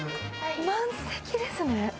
満席ですね。